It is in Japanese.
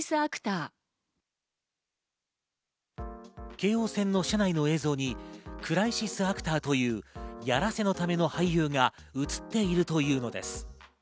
京王線の車内の映像にクライシスアクターというやらせのための俳優が映っているというのです。